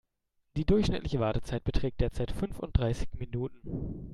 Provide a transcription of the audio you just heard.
Die durchschnittliche Wartezeit beträgt derzeit fünfunddreißig Minuten.